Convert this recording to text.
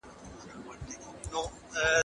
د انټرنیټ له لارې موږ له بېلابېلو لیدلورو خبریږو.